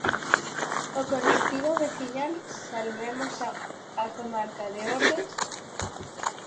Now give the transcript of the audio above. O colectivo veciñal 'Salvemos a Comarca de Ordes'.